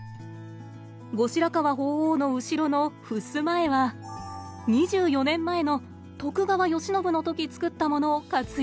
後白河法皇の後ろのふすま絵は２４年前の「徳川慶喜」の時作ったものを活用！